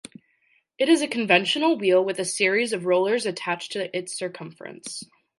It is a conventional wheel with a series of rollers attached to its circumference.